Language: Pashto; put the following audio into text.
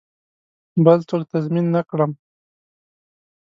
بل څوک تضمین نه کړم.